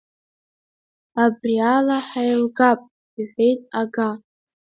Абри ала ҳаилгап, — иҳәеит ага.